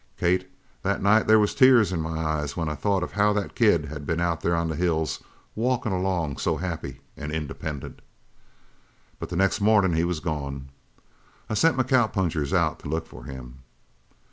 Kate, that night there was tears in my eyes when I thought of how that kid had been out there on the hills walkin' along so happy an' independent. "But the next mornin' he was gone. I sent my cowpunchers out to look for him.